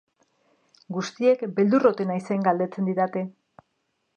Guztiek beldur ote naizen galdetzen didate.